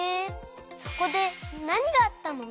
そこでなにがあったの？